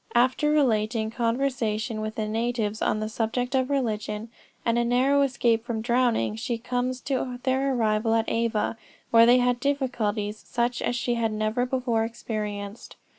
... After relating a conversation with the natives on the subject of religion, and a narrow escape from drowning; she comes to their arrival at Ava, where they had difficulties such as she had never before experienced.